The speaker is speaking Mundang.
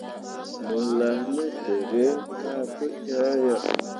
Mo laa ne tǝrîi ka te ŋaa ah.